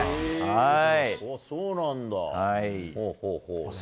そうなんだ。